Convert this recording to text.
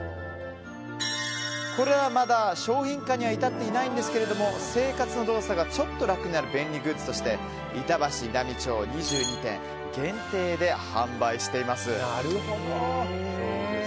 これらは、まだ商品化には至っていないんですけれども生活の動作がちょっと楽になる便利グッズとして板橋南町２２店限定で販売しています。